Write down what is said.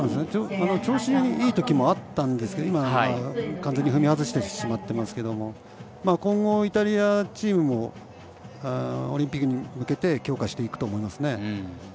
調子いいときもあったんですけど今は完全に踏み外してしまってますが今後、イタリアチームもオリンピックに向けて強化していくと思いますね。